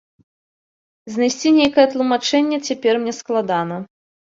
Знайсці нейкае тлумачэнне цяпер мне складана.